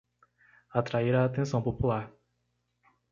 Atrair a atenção popular